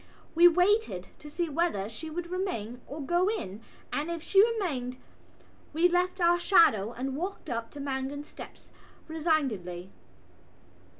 We waited to see whether she would remain or go in and, if she remained, we left our shadow and walked up to Mangan's steps resignedly.